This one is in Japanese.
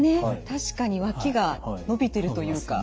確かに脇が伸びてるというか。